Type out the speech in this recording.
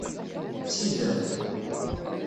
Sider.